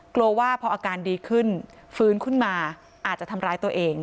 กลัวว่าพออาการดีขึ้นฟื้นขึ้นมาอาจจะทำร้ายตัวเอง